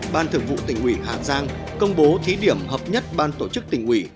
ban thường vụ tỉnh ủy hà giang công bố thí điểm hợp nhất ban tổ chức tỉnh ủy